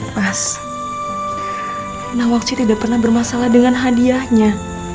mas nawaci tidak pernah bermasalah dengan hadiahnya